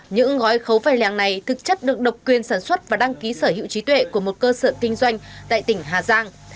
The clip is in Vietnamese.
những gói khấu vầy lèng này thực chất được độc quyền sản xuất và đăng ký sở hữu trí tuệ của một cơ sở kinh doanh tại tỉnh hà giang